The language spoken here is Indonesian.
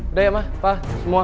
udah ya ma pa semua